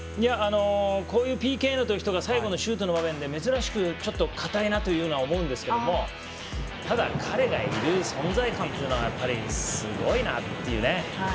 こういうＰＫの時とか最後のシュートの場面で珍しくちょっと硬いなというのは思うんですけれどもただ彼がいる存在感というのはやっぱりすごいなっていうね。